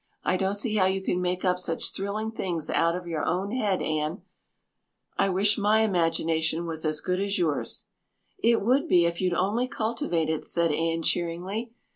"I don't see how you can make up such thrilling things out of your own head, Anne. I wish my imagination was as good as yours." "It would be if you'd only cultivate it," said Anne cheeringly.